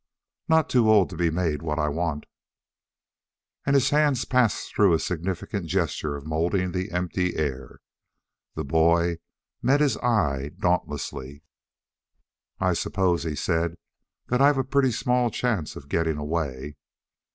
"Not too old to be made what I want." And his hands passed through a significant gesture of molding the empty air. The boy met his eye dauntlessly. "I suppose," he said, "that I've a pretty small chance of getting away."